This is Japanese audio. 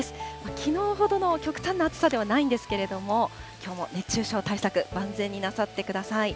きのうほどの極端な暑さではないんですけれども、きょうも熱中症対策、万全になさってください。